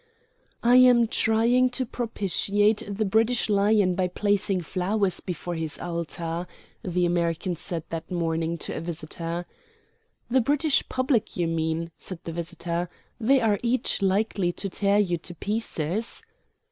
"I am trying to propitiate the British Lion by placing flowers before his altar," the American said that morning to a visitor. "The British public you mean," said the visitor; "they are each likely to tear you to pieces."